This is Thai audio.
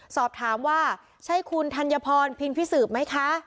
สอบถามว่าใช่คุณธัญพรพินพิสืบไหมคะ